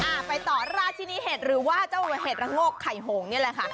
ไปต่อราชินีเห็ดหรือว่าเจ้าเห็ดระโงกไข่หงนี่แหละค่ะ